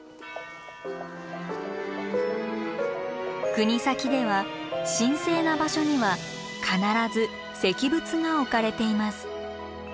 国東では神聖な場所には必ず石仏が置かれています。